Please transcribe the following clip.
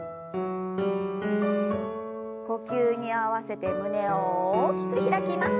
呼吸に合わせて胸を大きく開きます。